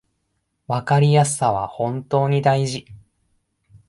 わかりやすさは本当に大事